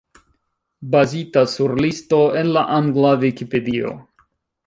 Bazita sur listo en la angla Vikipedio.